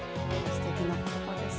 すてきな言葉です。